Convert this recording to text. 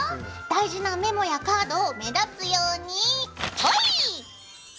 大事なメモやカードを目立つようにホイッ！